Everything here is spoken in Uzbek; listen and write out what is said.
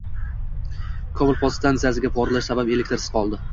Kobul podstansiyadagi portlash sabab elektrsiz qoldi